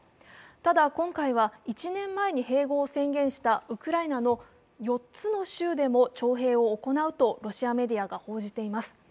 ただ、今回は１年前に併合を宣言したウクライナの４つの州でも徴兵を行うとロシアメディアが報じています。